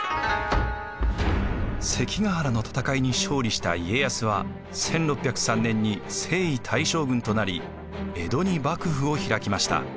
関ヶ原の戦いに勝利した家康は１６０３年に征夷大将軍となり江戸に幕府を開きました。